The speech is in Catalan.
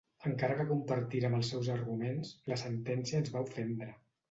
Encara que compartírem els seus arguments, la sentència ens va ofendre.